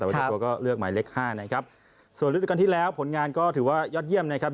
แต่ว่าเจ้าตัวก็เลือกหมายเลขห้านะครับส่วนฤดูการที่แล้วผลงานก็ถือว่ายอดเยี่ยมนะครับ